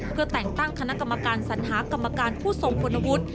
เพื่อแต่งตั้งคณะกรรมการสัญหากรรมการผู้ทรงคุณวุฒิ